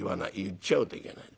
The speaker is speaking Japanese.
言っちゃうといけない。